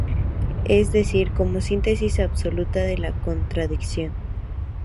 Es decir, como síntesis absoluta de la contradicción.